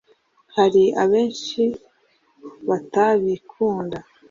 hari abantu benshi batabikunda